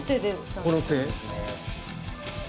この手。